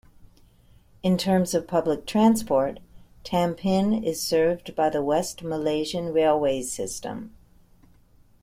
In terms of public transport, Tampin is served by the West Malaysian railways system.